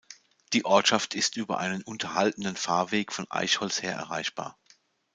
Die Ortschaft ist über einen unterhaltenen Fahrweg von Eichholz her erreichbar.